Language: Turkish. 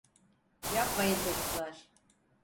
Yapmayın çocuklar.